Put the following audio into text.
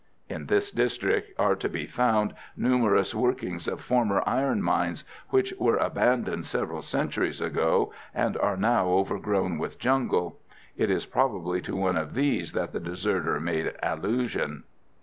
(In this district are to be found numerous workings of former iron mines which were abandoned several centuries ago, and are now overgrown with jungle. It is probably to one of these that the deserter made allusion.)